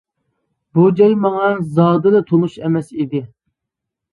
بۇ جاي ماڭا زادىلا تونۇش ئەمەس ئىدى.